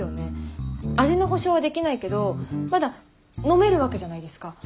味の保証はできないけどまだ飲めるわけじゃないですか。